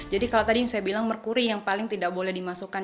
jadi kalau tadi saya bilang merkuri yang paling tidak boleh dimasukkan